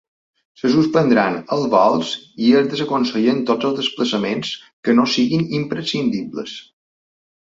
Se suspendran els vols i es desaconsellen tots els desplaçaments que no siguin imprescindibles.